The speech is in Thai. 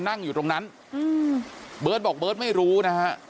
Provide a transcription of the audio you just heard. นั่งอยู่ตรงนั้นเบิร์ตบอกเบิร์ตไม่รู้นะฮะ